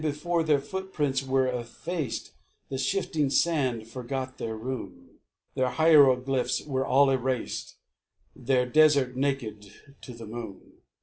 Before their footprints were effaced The shifting sand forgot their rune; Their hieroglyphs were all erased, Their desert naked to the moon.